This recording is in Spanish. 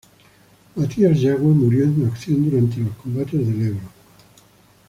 Matías Yagüe murió en acción durante los combates del Ebro.